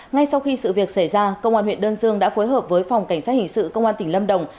ngay sau khi sự việc xảy ra công an huyện đơn dương đã phối hợp với phòng cảnh sát hình sự công an tỉnh lâm đồng